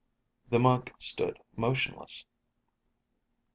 The monk stood motionless.